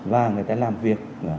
và người ta làm việc